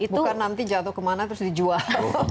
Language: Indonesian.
bukan nanti jatuh kemana terus dijual